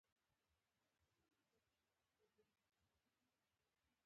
کمزوري خلک د وخت په خرابیدو اتلان کیږي.